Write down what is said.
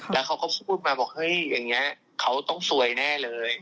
แล้วเขาก็พูดมาบอกเฮ้ยอย่างนี้เขาต้องซวยแน่เลย